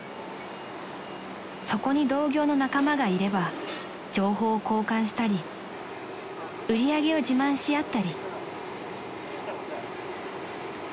［そこに同業の仲間がいれば情報を交換したり売り上げを自慢し合ったり］